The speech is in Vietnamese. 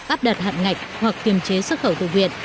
áp đặt hạn ngạch hoặc kiềm chế xuất khẩu tự viện